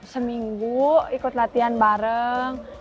seminggu ikut latihan bareng